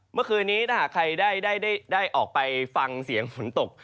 เมื่อคืนนี้ถ้าหากใครได้ออกไปฟังเสียงฝนตก